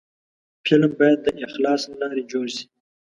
فلم باید د اخلاص له لارې جوړ شي